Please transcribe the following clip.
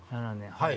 はい